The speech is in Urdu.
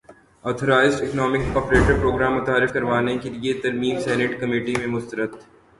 اتھرائزڈ اکنامک اپریٹر پروگرام متعارف کروانے کیلئے ترمیم سینیٹ کمیٹی میں مسترد